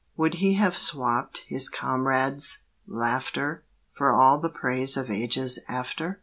Would he have swapped his comrades' laughter For all the praise of ages after?